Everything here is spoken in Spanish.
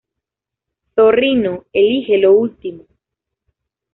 Zorrino elige lo último.